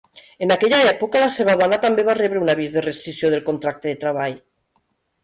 En aquella època, la seva dona també va rebre un avís de rescissió del contracte de treball.